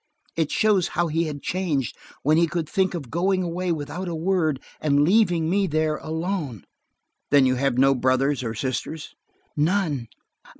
It shows how he had changed, when he could think of going away without a word, and leaving me there alone." "Then you have no brothers or sisters?" "None.